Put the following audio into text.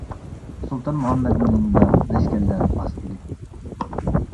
سۇلتان مۇھەممەدنىڭ يېنىدا لەشكەر ئاز ئىدى.